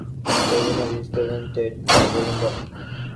The winner is presented the Golden Ball.